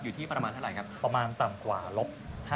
อยู่ที่ประมาณเท่าไหร่ครับ